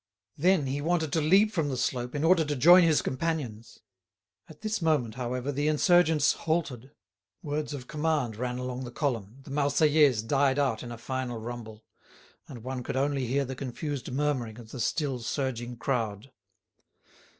Then he wanted to leap from the slope in order to join his companions. At this moment, however, the insurgents halted. Words of command ran along the column, the "Marseillaise" died out in a final rumble, and one could only hear the confused murmuring of the still surging crowd.